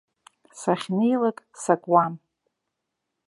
Сахьнеилак сакуам.